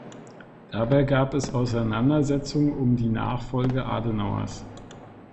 Dabei gab es Auseinandersetzungen um die Nachfolge Adenauers.